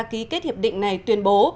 ký kết hiệp định này tuyên bố